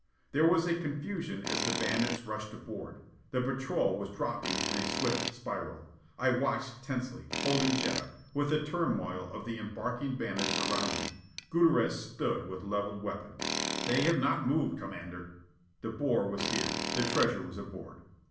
There was a confusion as the bandits rushed aboard. The patrol was dropping in a swift spiral. I watched tensely, holding Jetta, with the turmoil of the embarking bandits around me. Gutierrez stood with levelled weapon. "They have not moved, Commander." De Boer was here. The treasure was aboard.